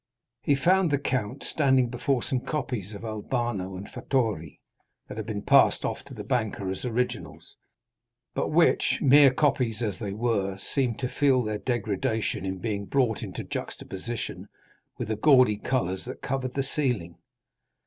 He found the count standing before some copies of Albano and Fattore that had been passed off to the banker as originals; but which, mere copies as they were, seemed to feel their degradation in being brought into juxtaposition with the gaudy colors that covered the ceiling.